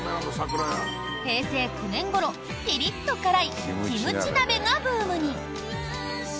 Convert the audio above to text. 平成９年ごろ、ピリッと辛いキムチ鍋がブームに。